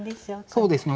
そうですね。